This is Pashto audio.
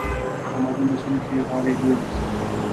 د امازون د سیند ښي غاړی لوی مرستیال دی.